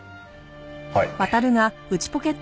はい。